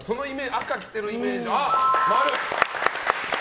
赤着てるイメージ。